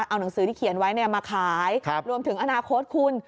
เอาหนังสือที่เขียนไว้มาขายรวมถึงอนาคตคุณ